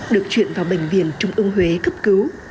được chuyển vào bệnh viện trung ương huế cấp cứu